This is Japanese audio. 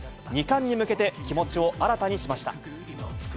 ２冠に向けて気持ちを新たにしました。